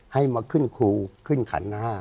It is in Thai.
ให้มาขึ้นครูขึ้นขัน๕